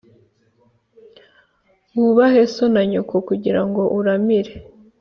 Wubahe so na nyoko kugira ngo uramire